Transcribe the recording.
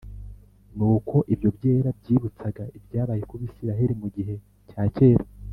nuko ibyo byera byibutsaga ibyabaye ku bisirayeli mu gihe cya kera